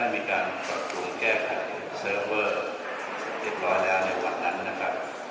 มีการปรับปรุงแก้ไขเซิร์ฟเวอร์เรียบร้อยแล้วในวันนั้นนะครับ